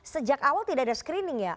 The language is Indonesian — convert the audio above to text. sejak awal tidak ada screening ya